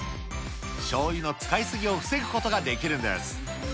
しょうゆの使い過ぎを防ぐことができるんです。